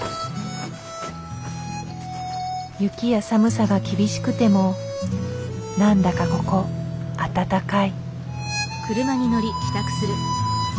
雪や寒さが厳しくてもなんだかここ温かい。